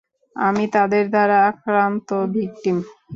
আমি তাদের দ্বারা আক্রান্ত ভিক্টিম।